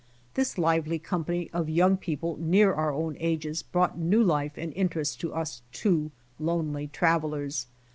This lively company of young people near our own ages brought new life and interest to us two lonely travelers.